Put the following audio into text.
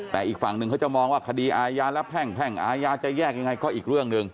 แต่อีกฝั่งหนึ่งเขาจะมองว่าคดีอาญาและแพ่งแพ่งอาญาจะแยกยังไงก็อีกเรื่องหนึ่ง